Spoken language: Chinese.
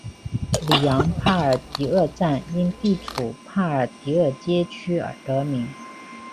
里昂帕尔迪厄站因地处帕尔迪厄街区而得名。